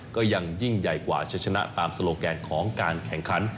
ก็ยังยิ่งใหญ่กว่าจะชนะตามโซโลแกนของการแข่งขัน